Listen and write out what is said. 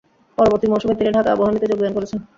পরবর্তী মৌসুমে তিনি ঢাকা আবাহনীতে যোগদান করেছেন।